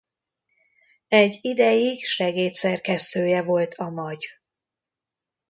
Egy ideig segédszerkesztője volt a Magy.